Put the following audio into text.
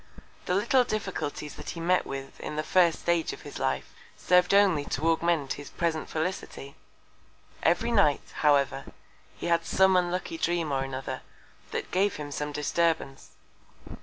The little Difficulties that he met with in the first Stage of his Life, serv'd only to augment his present Felicity. Every Night, however, he had some unlucky Dream or another, that gave him some Disturbance.